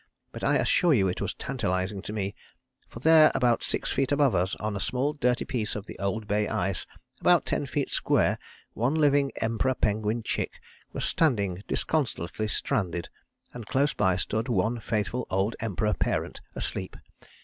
But I assure you it was tantalizing to me, for there about six feet above us on a small dirty piece of the old bay ice about ten feet square one living Emperor penguin chick was standing disconsolately stranded, and close by stood one faithful old Emperor parent asleep.